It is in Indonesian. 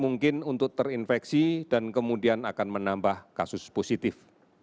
mungkin untuk terinfeksi dan kemudian akan menambah kasus positif